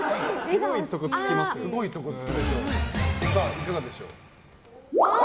いかがでしょう。